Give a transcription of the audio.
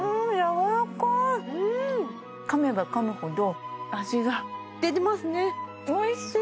うん噛めば噛むほど味が出てますねおいしい！